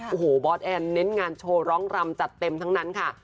โอ้โหบอสแอนเน้นงานโชว์ร้องรำจัดเต็มทั้งนั้นค่ะ